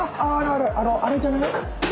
あのあれじゃない？